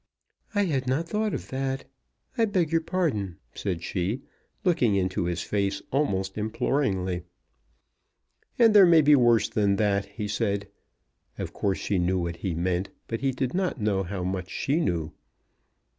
"I had not thought of that. I beg your pardon," said she, looking into his face almost imploringly. "And there may be worse than that," he said. Of course she knew what he meant, but he did not know how much she knew.